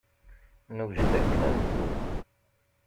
Newjed akken ad neddu.